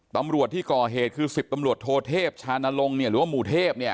ตำรวจที่ก่อเหตุคือ๑๐ตำรวจโทเทพชานลงหรือว่าหมู่เทพเนี่ย